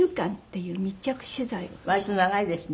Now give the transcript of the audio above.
割と長いですね。